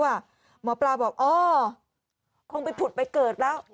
หมอปลาบอกอ๋อคงไปผุดไปเกิดแล้ว